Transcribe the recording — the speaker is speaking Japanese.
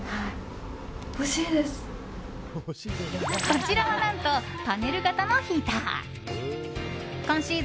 こちらは何とパネル型のヒーター。